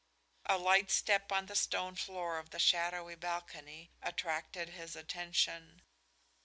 A light step on the stone floor of the shadowy balcony attracted his attention.